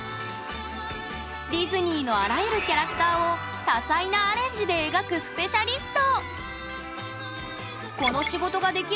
ディズニーのあらゆるキャラクターを多彩なアレンジで描くスペシャリスト！